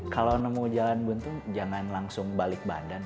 kalau nemu jalan buntung jangan langsung balik badan